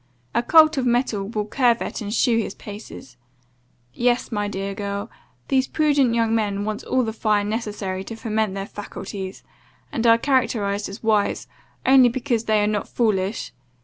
A colt of mettle will curvet and shew his paces. Yes; my dear girl, these prudent young men want all the fire necessary to ferment their faculties, and are characterized as wise, only because they are not foolish.